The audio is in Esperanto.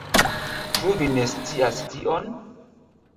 Ĉu vi ne scias tion?